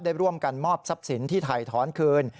ได้ร่วมกันมอบทรัพย์สินที่ถ่ายถอนคืน